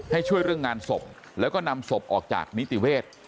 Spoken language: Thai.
ให้ช่วยเรื่องงานศพแล้วก็นำศพออกจากนิติเวศ